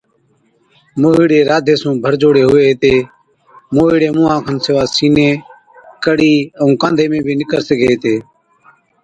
موهِيڙي راڌي سُون ڀرجوڙي هُوي هِتي، موهِيڙي مُونها کن سِوا سِيني، ڪَڙِي، ائُون ڪانڌي ۾ بِي نِڪر سِگھي هِتي۔